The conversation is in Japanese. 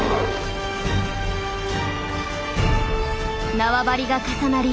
縄張りが重なり